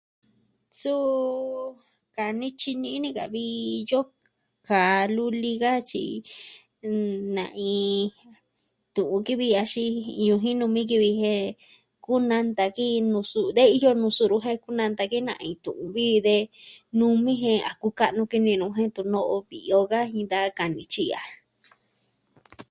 Suu... ka nityi nini ka vi yo'o kaa luli ka tyi na'in, tu'un ki vi axin yu jinu mi kivi jen ku nanta ki nusu da iyo nusu ku nanta ki iin tu'un vi ve nuu mii jen a kuka'nu kene nuu jen tu'un no'o vi iyo ka jin da kaa nityi ya'a.